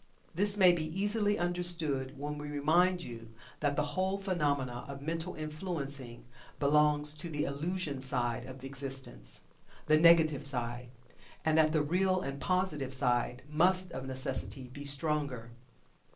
This may be easily understood, when we remind you that the whole phenomena of mental influencing belongs to the "illusion" side of existence the negative side and that the Real and Positive side must of necessity be stronger.